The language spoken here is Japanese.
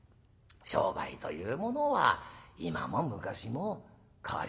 商売というものは今も昔も変わりませんな。